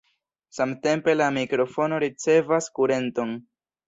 Samtempe la mikrofono ricevas kurenton.